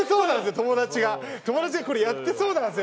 友達がこれやってそうなんすよ